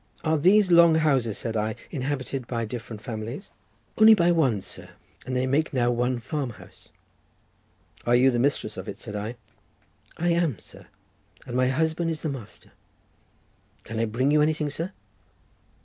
"Are these long houses," said I, "inhabited by different families?" "Only by one, sir; they make now one farm house." "Are you the mistress of it?" said I. "I am, sir, and my husband is the master. Can I bring you anything, sir?"